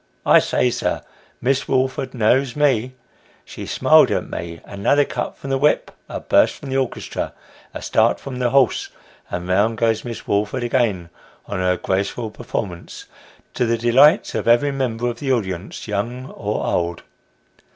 I say, sir, Miss Woolford knows me ; she smiled at me." Another cut 8o Sketches by Boz. from the whip, a burst from the orchestra, a start from the horse, and round goes Miss Woolford again on her graceful performance, to the delight of every member of the audience, young or old.